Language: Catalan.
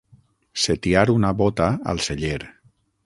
Setiar una bota al celler.